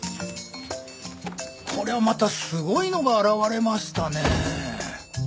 こりゃまたすごいのが現れましたねえ。